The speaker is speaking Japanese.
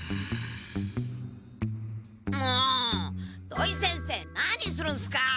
もう土井先生何するんすか！？